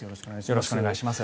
よろしくお願いします。